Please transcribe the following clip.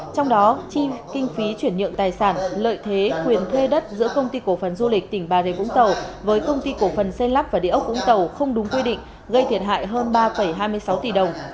trong đó chi kinh phí chuyển nhượng tài sản lợi thế quyền thuê đất giữa công ty cổ phần du lịch tỉnh bà rịa vũng tàu với công ty cổ phần xây lắp và địa ốc vũng tàu không đúng quy định gây thiệt hại hơn ba hai mươi sáu tỷ đồng